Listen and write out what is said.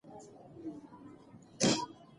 د لرغونې دورې شاعران زموږ د ادب بنسټ دی.